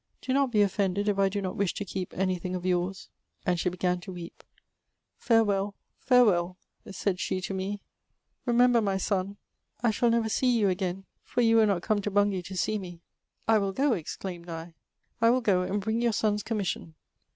^' Do not be offended if I do not wish to keep any thing of yours ;" and she began to weep. " Farewell, Jarewell" said she to me, remember my son. I shall never see you again, for you will not come to Bungay to see me." *' I will go," exclaimed I ;" I will go, and bring your son's commission."